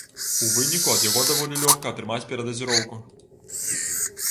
У выніку, ад яго даволі лёгка атрымаць перадазіроўку.